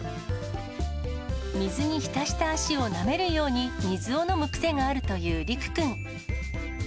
水に浸した足をなめるように水を飲む癖があるという睦くん。